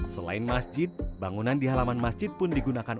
selain masjid bangunan di halaman masjid pun digunakan